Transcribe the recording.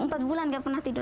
empat bulan gak pernah tidur